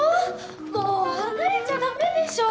もう離れちゃ駄目でしょ！